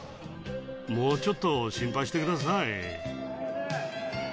「もうちょっと心配してください」